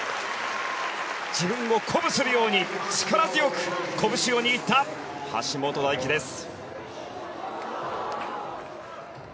自分を鼓舞するように力強く拳を握った橋本大輝です。